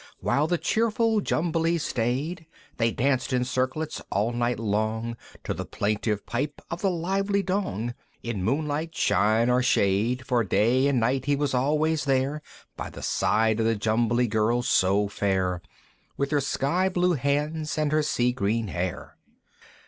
While the cheerful Jumblies staid; They danced in circlets all night long, To the plaintive pipe of the lively Dong, In moonlight, shine, or shade, For day and night he was always there By the side of the Jumbly Girl so fair, With her sky blue hands, and her sea green hair.